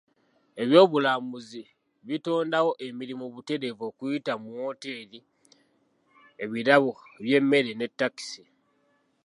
Eby'obulambuzi bitondawo emirimu butereevu okuyita mu woteeri, ebirabo by'emmere ne takisi.